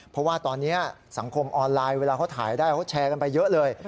เพราะว่าตอนนี้สังคมออนไลน์เวลาเขาถ่ายได้เขาแชร์กันไปเยอะเลย